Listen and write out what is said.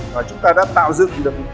và chúng ta đã tạo dựng được